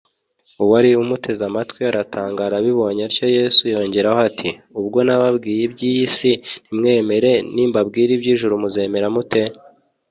, uwari umuteze amatwi aratangara. Abibonye atyo, Yesu yongeraho ati, “Ubwo nababwiye iby’isi ntimwemere, nimbabwira iby’ijuru muzemera mute?